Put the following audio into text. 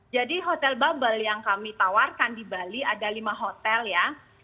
hotel bubble yang kami tawarkan di bali ada lima hotel ya